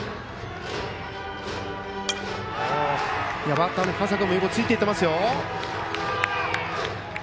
バッターの日笠君もよくついていっています。